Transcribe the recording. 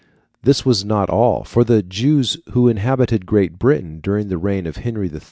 This was not all, for the Jews who inhabited Great Britain during the reign of Henry III.